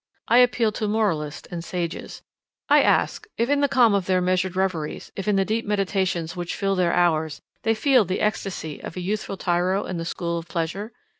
I appeal to moralists and sages. I ask if in the calm of their measured reveries, if in the deep meditations which fill their hours, they feel the extasy of a youthful tyro in the school of pleasure?